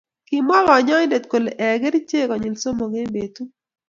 Kimwa kanyoindet kole ee kerchek konyil somok eng' betut